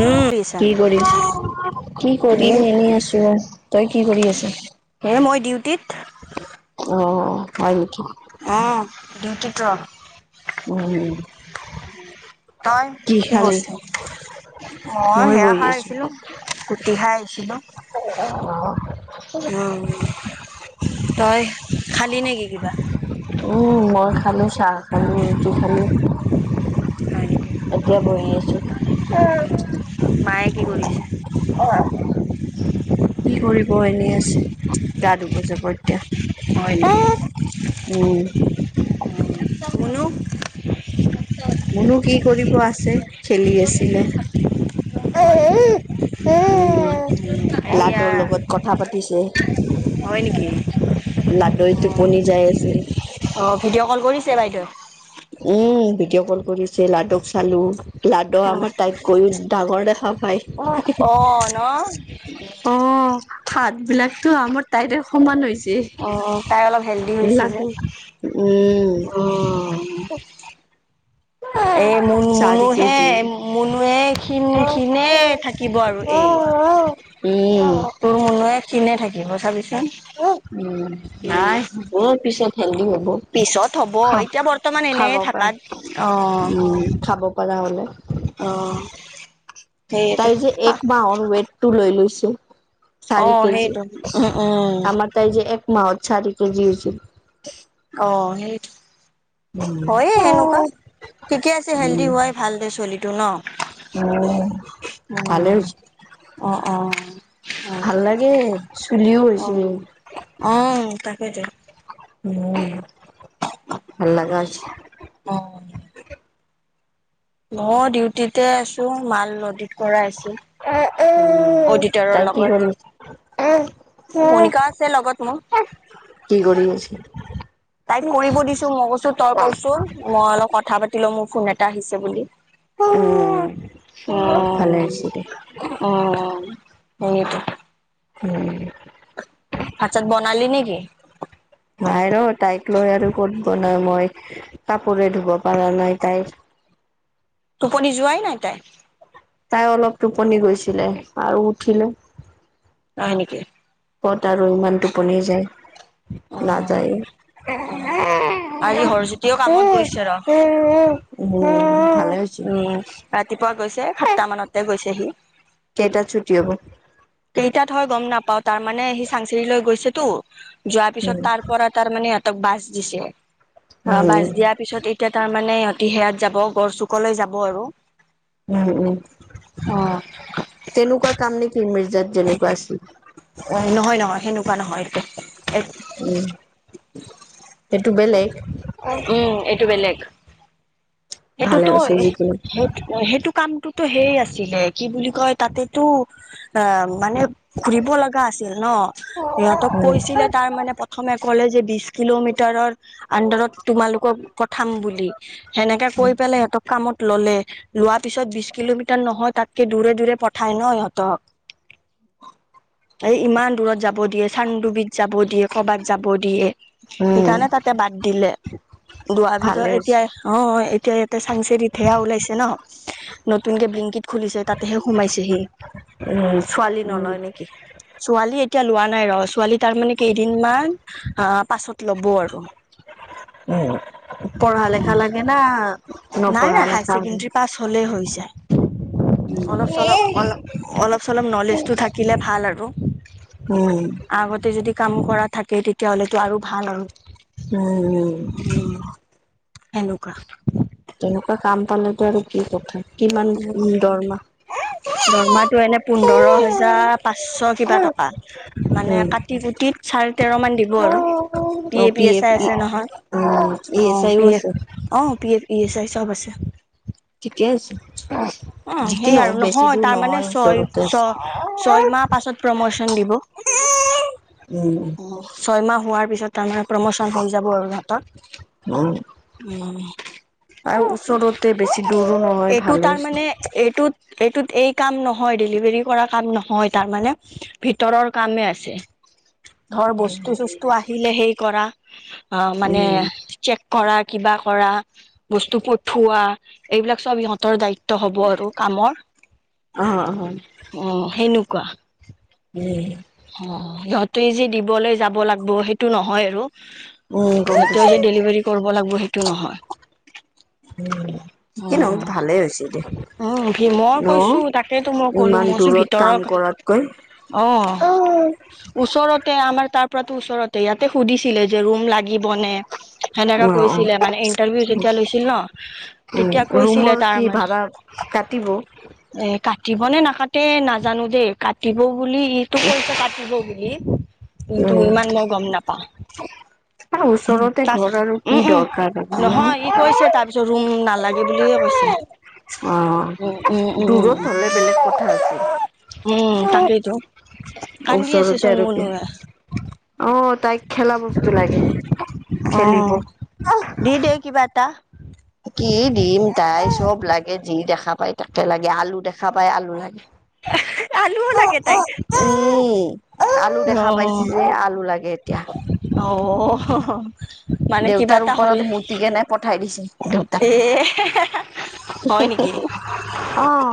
উম পিছা কি কৰিছ? কি এ কৰিম এনেই আছো তই কি কৰি আছ। এ মই ডিউটিত অ হয় নেকি? অ ডিউটিত ৰ উম। তই কি বস্তু অ মই সেয়া বহি খাই আছো। আহিছিলো কুটি খাই আহিছিলো উ তই খালি নেকি কিবা উম, মই খালো চাহ খালো, ৰুটি খালো, হয় নেকি এতিয়া বহি আছো। মায়ে কি কৰিছে? কি কৰিব এনেই আছে, গা ধুবজাব এতিয়া। হয় নেকি? উম। তোমাৰ নো? মনো কি কৰিব আছে খেলি আছিলে হয় নেকি [unintelligible] এইয়া লডুৰ লগত কথা পাতিছে। হয় নেকি লাডুৰ টোপনি যাই আছিল অ' ভিডিঅ' কল কৰিছে বাইদেউ? উম ভিডিঅ' কল কৰিছে, লাডুক চালো, লাডু আমাৰ টাইপ কৰি ডঙৰ দেখা পায় অ' ভাত বিলাকতো আমাৰ তাইতে সমান হৈছে অ তাই অলপ হেল্ডি হৈছে যে লাগু [unintelligible] উম। উম ত এই মুন চাদী কেে মুনুহে জিদ মুনুৱে ক্ষীণ কিণে থাকিব আৰু এই তোৰ মনুহে কিণে থাকিব হম চাবিচন উম কি নাই হ'ব পিছত হেল্ডি হ'ব পিছত হব এতিয়া বৰ্তমান এনে খাব পৰা থাকাত অ' উম খাব পৰা হ'লে অঁ তাই যে এক মাহৰ ৱেটটো লৈ লৈছো চাৰি অ', কেজি সেইটো উম, উম। আমাৰ তাই যে এক মাহত চাৰি কেজি হৈছিল। অ সেইৰি উম, হয়য়ে সেনেকুৱা ঠিকে আছে হেল্ডি হোৱাই ভাল দে চলিটো ন উ ভালে আছো। অ' অ' অ' ভাল লাগে চুলিও হৈ হৈছে সেইটো। উ ভলা আজ অ'। মই ডিউটিতে আছো মাল নদীত কৰা আছো আহ অডিটৰৰ তাই কি লগত। কৰি আহ। মনিকা আছে লগত মোৰ। কি কৰি আছো তাইক কৰিব দিছো মই কৈছো তই কছো মই অলপ কথা পাতিল মোৰ ফোন এটা আহিছে বুলি উম, ভালে হৈছে দে। উ উ নিটো উম আছাত বনালি নেকি? ভাই ৰ তাইক লৈ আৰু কত ব নাই মই কাপোৰে ধুব পাৰা নাই তাইক টোপনি যোৱাই নাই তাই তাই অলপ টোপনি গৈছিলে আৰু উঠিলে। হয় নেকি? পত আৰু ইমান টোপনি যায় অ নাযায়ে অ আজি হৰজ্যোতিও উ কামত গৈছে ৰ। উ উ উম ৰাতিপুৱা গৈছে সাতটা মানতে গৈছে সি। কেইটাত ছুটি হব। কেইটাত হয় গম নাপাও তাৰ মানে সি চাংচিৰি লৈ গৈছেতো যোৱাৰ পিছত উম তাৰ পৰা তাৰমানানে সিহঁতক বাছ দিছে অ উম বাছ দিয়াৰ পিছত। এতিয়া তাৰ মানে অতি সেয়াত যাব গড় চুকলৈ যাব আৰু উম উম অ তেনেকুৱা কাম নেকি মিৰ্জাত যেনেকুৱা আছিল। অ' নহয় নহয় সেনেকুৱা নহয় এইটো উম সেইটো বেলেগ। উম এইটো বেলেগ। ভালে সেইটোতো হৈছে যিকোনো সেই সেইটো কামটোতো সেই আছিলে কি বুলি কয় তাতেতো অ মানে ঘুৰিব লগা আছিল ন সিহঁতক উম কৈছিলে তাৰ মানে প্ৰথমে যে বিশ কিলমিটাৰৰ আত তোমালোকক বুলি কৰি পেলাই সিহঁতক কামত ললে লোৱাৰ পিছত বিশ কিলোমিটাৰ নহয় তাতকে দূৰে দূৰে পঠায় ন সিহঁতক উম। এই ইমান দূৰত যাব যাব দিয়ে চান্দুবিধ যাব দিয়ে কৰবাত যাব দিয়ে উম সেইকাৰণে তাতে বাদ দিলে দোৱাৰ পিছত ভালে হৈছে এতিয়া অ ত চাংচেৰিতহেয়া ওলাইছে ন' নতুনকে ব্লিংকিত খুলিছে তাতেহে সোমাইছেহি উম ছোৱালী উম নলয় নেকি ছোৱালী এ এতিয়া লোৱা নাই ৰ ছোৱালী তাৰ মানে কেইদিনমান আহ পাছত ল'ব আৰু উম' পঢ়া লেখা লাগে না। নাই নপঢ়া নাই হায়াৰ লেখা ছেকেণ্ডাৰী পাছ হ'লে হ হৈছে। উম অলপ-চলপ অলপ অলপ-চলপ নলেজটো থাকিলে ভাল আৰু। উম'। আগতে যদি কাম কৰা থাকে তেতিয়াহ'লেতো আৰু ভাল আৰু উম এনেকুৱা তেনেকুৱা কাম পালেতো আৰু কি কথা, কিমান দৰমা। দৰমাটো এনে, পোন্ধৰ হোজাৰ পাঁচশ কিবা টকা মানে উম কাটি কুটি। চাৰে তেৰ মান দিব আৰু B O A P S F I E আছে উম ই নহয় অ এছ আইও পি আছে F O P F E S I চব আছে ঠিকে আছে। অহ' যি কি সেই নহওক আৰু বেছি নহয় দূৰ তাৰ মানে ছয় ওচৰতে ছ আছে ছয় মাহ পাছত প্ৰমোচন। দিব। উম অহ ছয়মাহ হোৱাৰ পিছত তাৰমানে প্ৰমোচন হৈ যাব আৰু অ সিহত উম আৰু ওচৰতে বেছি দূৰো নহয়। এইটো ভালে তাৰ হৈছে মানে এইটোত এইটোত এই কাম নহয় ডেলিভাৰী কৰা কাম নহয় তাৰমানে ভিতৰৰ কামে আছে। [unintelligible] ধৰ বস্তু চস্তু আহিলে সেই কৰা। অ মানে উম চেক কৰা, কিবা কৰা, বস্তু পঠোৱা, এইবিলাক চব সিহঁতৰ দায়িত্ব হব আৰু কামৰ। অ অ উম অ' সেনেকুৱা। অ সিহঁতে যে দিবলৈ যাব লাগিব সেইটো নহয় আৰু। উম গম সিহঁতেও পাইছো সেই ডেলিভাৰী কৰিব লাগিব সেইটো নহয়। উম' যি নহওঁক ভালেই হৈছে দে। অহ' ভীমৰ ন কৈছো তাকেইেতো মই ক'লো ইমান মইছো দূৰত কাম ভিতক। কৰাতকৈ অহ' অ ওচৰতে আমাৰ তাৰ পৰাতো ওচৰতে ইয়াতে সুধিছিলে যে ৰুম লাগে। বনে, সেনেকা অ কৈছে মানে, ইণ্টাৰভিউ যেতিয়া লৈছিল ন উম তেতিয়া কৈছিলে ৰুমৰ কি তাৰমান ভাড়া কাটিব। কাটিব নে নাকাটে নাজানো দেই কাটিব বুলি ইটো কৈছো কাটিব বুলি। কিন্তু, উম ইমান মই গম নাপাওঁ। আহ' ওচৰতে তাৰ ঘৰ আৰু উম কি উম দৰকাৰ আহ'। নহয় ই কৈছে তাৰপিছত ৰুম নালাগে বুলিয়ে কৈছে অহ' উম উম উম দূৰত হ'লে বেলেগ কথা আছিল। উম তাকেইতো কান্দি আছে ওচৰতে চোন আৰু [unintelligible] কি অ তাইক খেলা বস্তু লাগে। অ খেলিব। দি দে [unintelligible] কি ডিম তাই চব লাগে যি দেখা পায় তাকে লাগে আলু দেখা পায় আলু লাগে। আলুও লাগে তাই। উম আলু দেখা পাইছে অ'। যে আলু লাগে এতিয়া অহ', হ'হ। দেউতাৰ ওপৰত [unintelligible] কিনে পঠাই দিছে। দেউতাক। এ হয় নেকি অহ'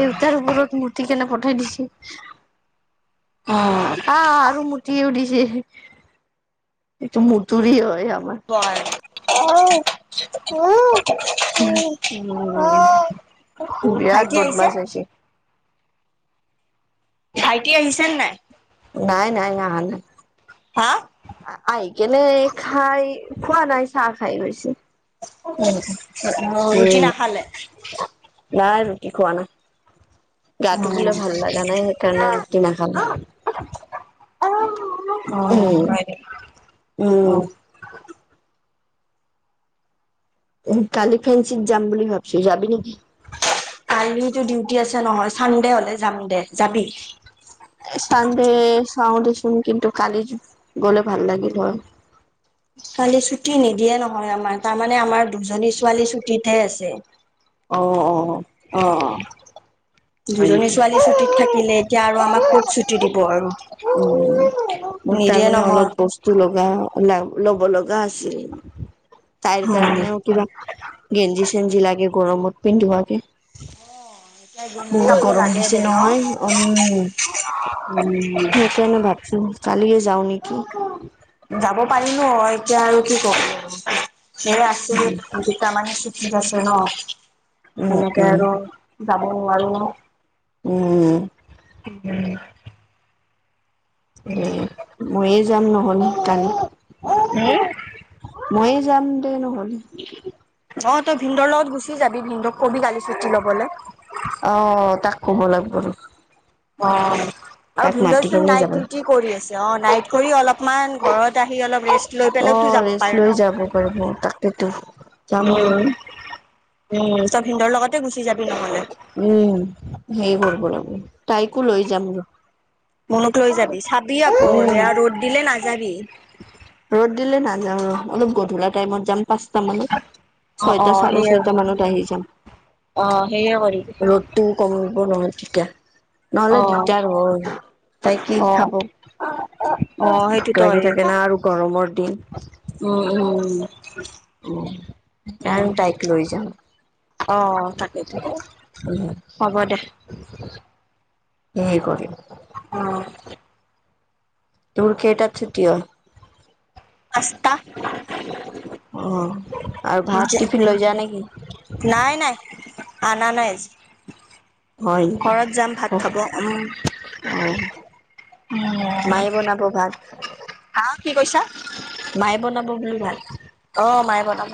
দেউতাৰ ওপৰত [unintelligible] কেনে পঠাই। হয় দিছে। অ আহ' আৰু [unintelligible] দিছে। এইটো [unintelligible] হয়। এই আমাৰ হয় অহ উম [unintelligible] বিৰাট ভাইটি আহিছে বদমছ হৈছে। ভাইটি আহিছেনে নাই। নাই, নাই, আহা নাই'। হা আহি কেনে খাই। খোৱা নাই চাহ খাই গৈছে। উ ৰু ৰুটি উম নাখালে। নাই ৰুটি খোৱা নাই। অ গাটো বোলে ভাল লাগা নাই সেইকাৰণে ৰুটি নাখালে। উম হয় দে। উম। [unintelligible] কালি ফেন্ঞ্চিত যাম বুলি ভাবছো যাবি নেকি। কালিতো ডিউটি আছে নহয় চানডে হলে যাম দে যাবি এ, চানডে চাও দিচুন কিন্তু কালি গলে ভাল লাগিল হয়। কালি ছুটি নিদিয়ে নহয় আমাৰ তাৰমানে আমাৰ দুজনী ছোৱালী ছুটীতহে আছে। অ', অ', অ দুজনী ছোৱালী ছুটীত থাকিলে এতিয়া আৰু আমাক ক'ত অ ছুটি দিব আৰু [unintelligible] মোৰ তাৰ নিদিয়ে মানে নহয় অলপ বস্তু লগা [unintelligible] [unintelligible] লব লগা আছিল তাইৰ উম কাৰণেও এতিয়া কিবা গেজী চেন গেঞ্জি লাগে গৰমত পিন্ধোৱাকে উ গেঞ্জি কাপোৰ গৰম লাগে দিছে দে ন নহয় উম। উম সেইকাৰণে ভাবছো কালিয়ে যাও নেকি। যাব পাৰি ন এতিয়া আৰু কি কম নো আছে দুটা মানু ছু [unintelligible] আছে ন উম এনেকে আৰু উম যাব নোৱাৰো [unintelligible] উম। [inaudible] [unintelligible] [inaudible] ময়ে যাম নহ'লে কালি উম। ময়ে যাম দে নহ'লি। অ তই ভিনদৰ লগত গুচি যাবি ভিনদক কবি কালি চুটি ল'বলে অ তাক ক'ব লাগিব ৰ অ', আৰু তাক মাতি ভিন্দচোন কেনে যাব নাইট ডিউটি কৰি আছে অ নাইট কৰি অলপমান ঘৰত আহি অলপ ৰেষ্ট লৈ অ পেলাইতো যাব ৰেষ্ট পাৰে ন। লৈ যাব পাৰিব তাকেতো যাম উম, ৰ উম তো ভিন্দৰ লগতে গুছি উম, হেই কৰব লাগব তাইকো লৈ যাম ৰ মুনুক লৈ যাবি চাবি আকৌ উম বেয়া ৰ'দ দিলে নাযাবি। ৰ'দ দিলে নাযাওঁ ৰ অলপ গধূলা টাইমত যাম। পাঁচটা মানত অ', ছয়টা অ', চাৰে সেয়ে ছয়টা মানত আহি যাম। অ', সেয়ে কৰিবি। ৰ'দটোও কমিব নহয়, তেতিয়া নহ'লে অ', দিগদাৰ হ তাই কি অ', খাব অ', সেইটো ভোক তই লাগি থাকে না আৰু গৰমৰ দিন উম, উম। উ আৰু উম। তাইক লৈ যাম। অ তাকেতো হ'ব দে। [inaudible] [unintelligible] তোৰ কেইটাত চুতি অয়। পাঁচটা অ আৰু ভাত টিফিন লৈ যা নেকি? নাই নাই আনা নাই হয় [unintelligible] নেকি? ঘৰত যাম ভাত খাব অ' উম। [inaudible] মায়ে বনাব ভাত হা কি কৈছা। মায়ে [inaudible] অ', মায়ে বনাব।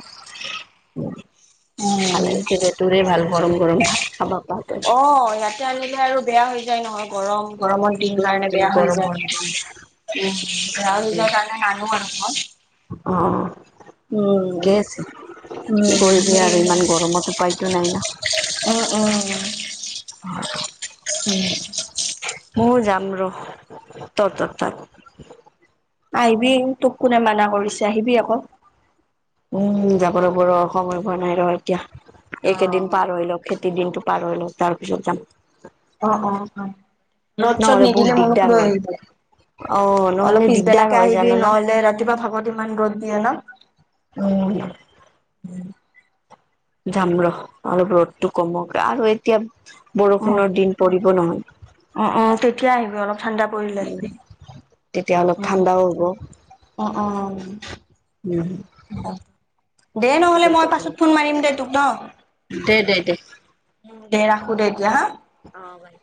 ভাল লাগছিল যে তৰে ভাল গৰম গৰম ভাল খাবা পোৱা অ ত [unintelligible] আৰু বেয়া হৈ যায় নহয় গৰম গৰমৰ দিন কাৰণে উম বেয়া হৈ গৰমৰ দিন। যায়। উম এ জ ত নে নান আক অ' ঠিকে আছে কি উম কৰিবি সেই আৰু ইমান গৰমত উপায়তো নাই ন উ অ' হয়। ম যাম ৰ তৰ তৰ তাত আহিবি তোক কোনে মানা কৰিছে আহিবি আকৌ। উম, যাব লাগিব ৰ, সময় হোৱা নাই ৰ এতিয়া অ এইকেইদিন পাৰ হৈ লওক খেতিৰ দিনটো পাৰল তাৰ পিছত যাম। অ' অ' অ' নদ চত নহ'লে বহুত নিদিলে মনক দিগদাৰ লৈ হয় আহিবায় অ নহ'লে অলপ দিগদাৰ পিছবেলাকে হয় আহিবি জান না। নহলে ৰাতিপুৱা ভাগত ইমান ৰ'দ দিয়ে ন উম। উম। যাম ৰ অলপ ৰ'দটো কমক আৰু এতিয়া। উম, বৰষুণৰ দিন পৰিব নহয় উম-উম তেতিয়া আহিবি অলপ ঠাণ্ডা পৰিলে আহিবি। তেতিয়া অলপ অ', ঠাণ্ডাও অ', অ' উ দে নহ'লে মই পাছত ফোন মাৰিম দে তোক দে দে দে উ দে ৰাখো দে এতিয়া হা আহ ভাই